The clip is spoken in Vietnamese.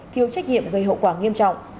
thiếu trách nhiệm gây hậu quả nghiêm trọng